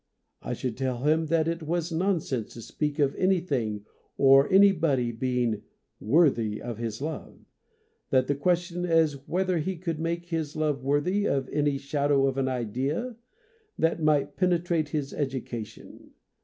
I should tell him that it was nonsense to speak of anything or any body being " worthy of his love," that the question was whether he could make his love worthy of any shadow of an idea that might penetrate his education.